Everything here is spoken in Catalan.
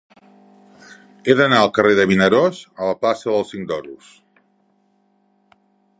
He d'anar del carrer de Vinaròs a la plaça del Cinc d'Oros.